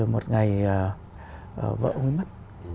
một ngày vợ ông ấy mất